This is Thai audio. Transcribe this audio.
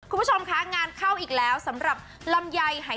คุณผู้ชมคะงานเข้าอีกแล้วสำหรับลำไยหาย